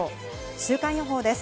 週間予報です。